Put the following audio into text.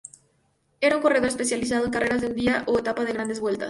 Era un corredor especializado en carreras de un día o etapas de grandes vueltas.